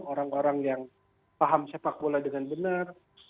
orang orang yang paham sepakbola dengan benar